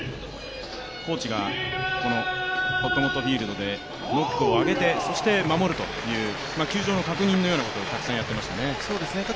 コーチがほっともっとフィールドでノックを上げてそして守るという球場の確認みたいなことをたくさんやっていましたね。